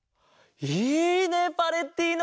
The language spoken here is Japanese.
いいねパレッティーノ！